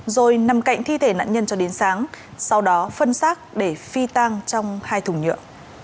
rồi nằm cạnh thi thể nạn nhân cho đến sáng sau đó phân xác để phi tang trong hai thùng nhựa